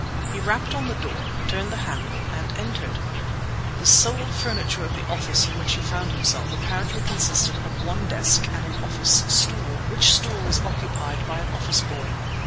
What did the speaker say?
He rapped on the door, turned the handle, and entered. The sole furniture of the office in which he found himself apparently consisted of one desk and an office stool, which stool was occupied by an office boy.